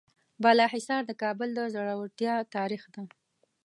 بالاحصار د کابل د زړورتیا تاریخ ده.